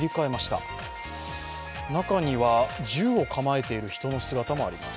中には銃を構えている人の姿もあります。